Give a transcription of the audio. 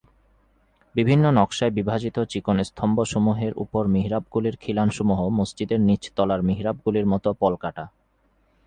বিভিন্ন নকশায় বিভাজিত চিকন স্তম্ভসমূহের উপর মিহরাবগুলির খিলানসমূহ মসজিদের নিচতলার মিহরাবগুলির মতো পলকাটা।